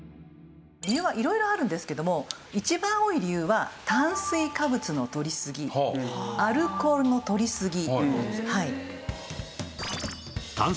理由は色々あるんですけども一番多い理由は炭水化物のとりすぎアルコールのとりすぎ。